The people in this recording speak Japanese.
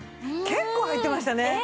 結構入ってましたね。